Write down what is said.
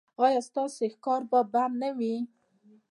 ایا ستاسو ښکار به بند وي؟